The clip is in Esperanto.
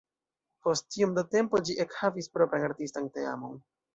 Post iom da tempo ĝi ekhavis propran artistan teamon.